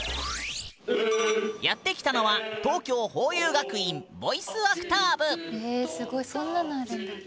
やって来たのは東京へえすごいそんなのあるんだ。